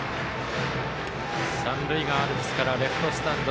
三塁側アルプスからレフトスタンド。